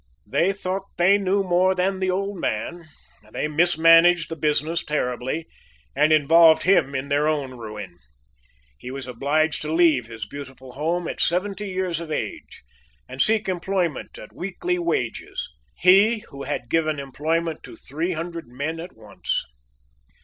They thought they knew more than the old man; they mismanaged the business terribly, and involved him in their own ruin. He was obliged to leave his beautiful home at seventy years of age, and seek employment at weekly wages he who had given employment to three hundred men at once.